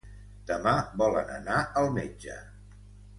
Demà volen anar al metge.